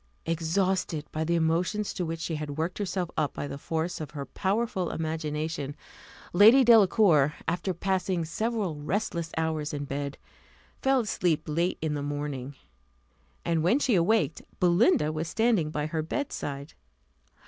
Exhausted by the emotions to which she had worked herself up by the force of her powerful imagination, Lady Delacour, after passing several restless hours in bed, fell asleep late in the morning; and when she awaked, Belinda was standing by her bedside.